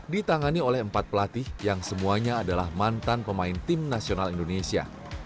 ditangani oleh empat pelatih yang semuanya adalah mantan pemain tim nasional indonesia